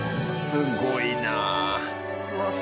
すごいなあ！